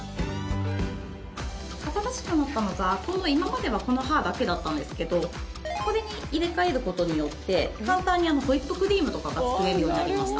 新しくなったのが今まではこの刃だけだったんですけどこれに入れ替えることによって簡単にホイップクリームとかが作れるようになりました。